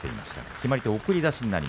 決まり手は送り出し。